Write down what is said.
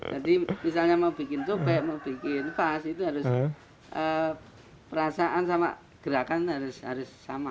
jadi misalnya mau bikin cobek mau bikin pas itu harus perasaan sama gerakan harus sama